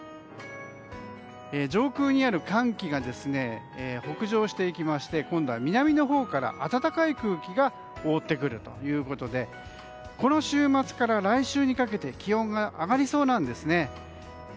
上空にある寒気が北上していきまして今度は南のほうから暖かい空気が覆ってくるということでこの週末から来週にかけて気温が上がりそうなんですね。